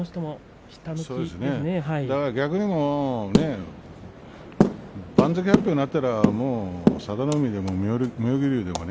逆に番付発表になったら佐田の海にも妙義龍でも